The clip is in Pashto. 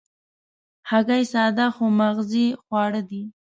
هګۍ ساده خو مغذي خواړه دي.